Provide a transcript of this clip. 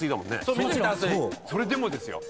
それでもですよ。